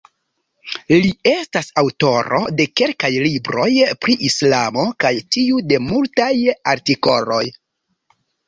Li estas aŭtoro de kelkaj libroj pri islamo kaj tiu de multaj artikoloj.